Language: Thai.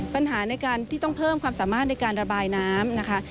ปัญหาในการที่ต้องเพิ่มความสามารถในการระบายน้ำนะคะ